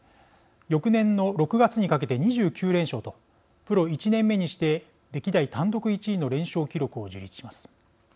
翌年の６月にかけて２９連勝とプロ１年目にして歴代単独１位の連勝記録を樹立します。